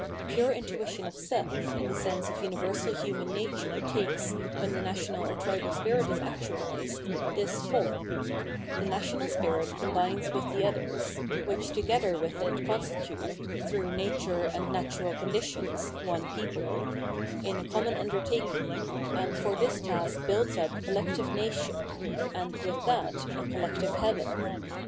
Pure intuition of self in the sense of universal human nature takes, when the national or tribal spirit is actualised, this form : the national spirit combines with the others (which together with it constitute, through nature and natural conditions, one people), in a common undertaking, and for this task builds up a collective nation, and, with that, a collective heaven.